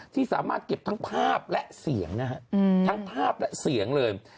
ที่สามารถเก็บทั้งภาพและเสียงนะฮะทั้งภาพและเสียงเลย